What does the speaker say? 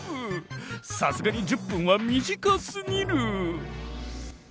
さすがに１０分は短すぎる。